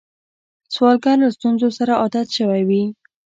سوالګر له ستونزو سره عادت شوی وي